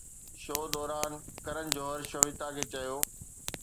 show دوران ڪرن جوهر شويتا کي چيو